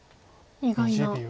意外な。